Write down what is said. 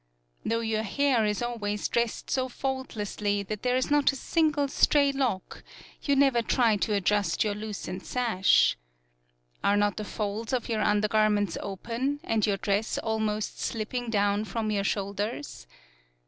Though your hair is always dressed so 106 UKIYOE faultlessly that there is not a single stray lock, you never try to adjust your loosened sash. Are not the folds of your undergarments open and your dress al most slipping down from your shoul ders?